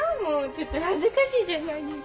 ちょっと恥ずかしいじゃないですか。